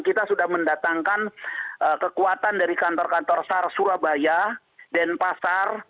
kita sudah mendatangkan kekuatan dari kantor kantor sar surabaya dan pasar